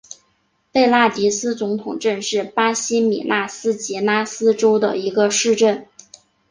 贝纳迪斯总统镇是巴西米纳斯吉拉斯州的一个市镇。